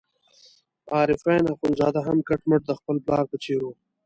عارفین اخندزاده هم کټ مټ د خپل پلار په څېر وو.